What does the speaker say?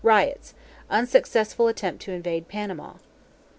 Riots; unsuccessful attempt to invade Panama.